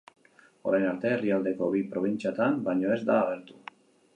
Orain arte, herrialdeko bi probintziatan baino ez da agertu.